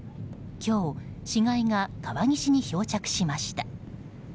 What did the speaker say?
今日、死骸が川岸に漂着しました。